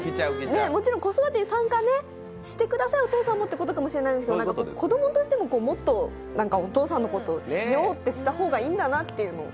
もちろん子育てに参加してください、お父さんもっていうことでしょうけど、子供としても、もっとお父さんのことを知ろうとした方がいいんだっていうのを。